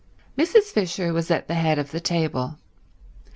Mrs. Fisher was at the head of the table.